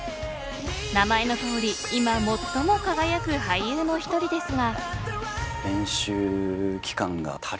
名前のとおり今最も輝く俳優の１人ですが。